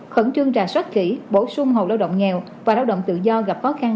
khẩn trương rà soát kỹ bổ sung hộ lao động nghèo và lao động tự do gặp khó khăn